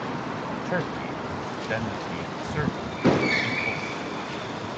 Turkey then beat Serbia in overtime.